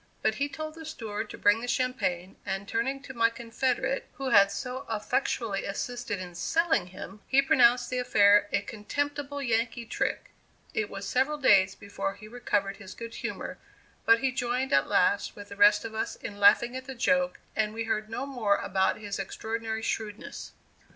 But he told the steward to bring the champagne, and turning to my confederate who had so effectually assisted in "selling" him, he pronounced the affair "a contemptible Yankee trick." It was several days before he recovered his good humor, but he joined at last with the rest of us in laughing at the joke, and we heard no more about his extraordinary shrewdness.